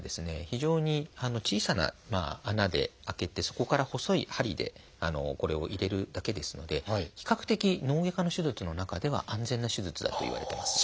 非常に小さな穴で開けてそこから細い針でこれを入れるだけですので比較的脳外科の手術の中では安全な手術だといわれてます。